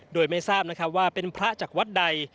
โดยไม่ทราบว่าเป็นพระจากวัดใด